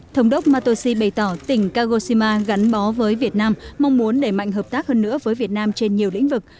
thống đốc matoshi bày tỏ tỉnh kagoshima gắn bó với việt nam mong muốn đẩy mạnh hợp tác hơn nữa với việt nam trên nhiều lĩnh vực